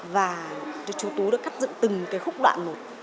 và chú tú đã cắt dựng từng cái khúc đoạn một